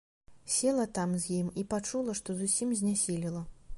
Села там з ім і пачула, што зусім знясілела.